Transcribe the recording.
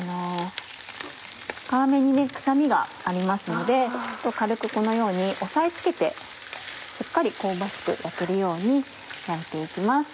皮目に臭みがありますので軽くこのように押さえ付けてしっかり香ばしく焼けるように焼いて行きます。